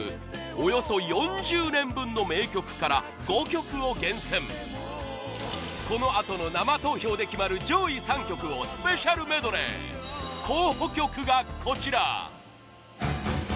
およそ４０年分の名曲から５曲を厳選このあとの生投票で決まる上位３曲をスペシャルメドレー候補曲がこちら！